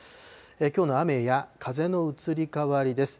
きょうの雨や風の移り変わりです。